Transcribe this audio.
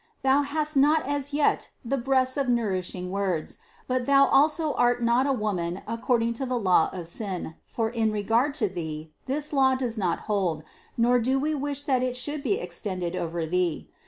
Thou hast not as yet the breasts of nourishing words ; but thou also art not a woman according to the law of sin, for in re gard to thee, this law does not hold, nor do We wish that it should extend over thee.